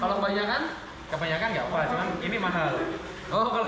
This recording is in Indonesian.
kalau kebanyakan kebanyakan enggak apa apa ini mahal oh kalau kebanyakan enggak apa apa